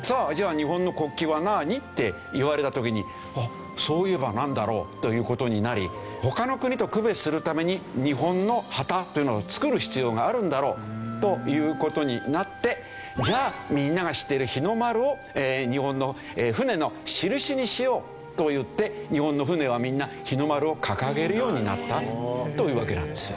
「日本の国旗は何？」って言われた時に「あっそういえばなんだろう？」という事になり他の国と区別するために日本の旗というのを作る必要があるんだろうという事になってじゃあみんなが知っている日の丸を日本の船の印にしようといって日本の船はみんな日の丸を掲げるようになったというわけなんですよ。